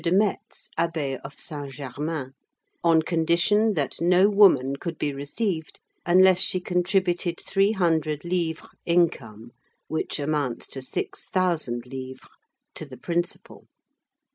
de Metz, Abbé of Saint Germain, "on condition that no woman could be received unless she contributed three hundred livres income, which amounts to six thousand livres, to the principal."